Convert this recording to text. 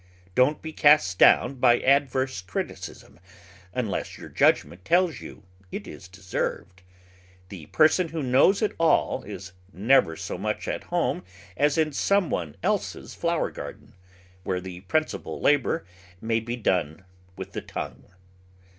Don't be cast down by adverse criticism unless your judgment tells you it is deserved. The person who "knows it all" is never so much at home as in some one else's flower garden, where the principal labour may be done with the tongue.